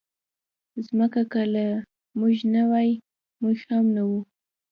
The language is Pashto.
مځکه که له موږ نه وای، موږ هم نه وو.